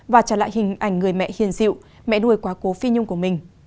và trả lại hình ảnh người mẹ hiền dịu mẹ nuôi quá cố phi nhung của mình